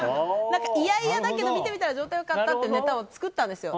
嫌々だけど、見てみたら状態良かったっていうネタを作ったんですよ。